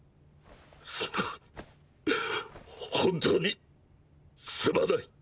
すまん本当にすまない。